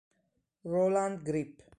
Roland Grip